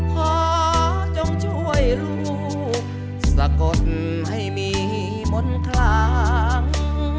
พ่อจงช่วยรู้สะกดไม่มีมนตราง